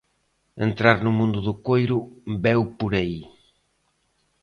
Entrar no mundo do coiro veu por aí.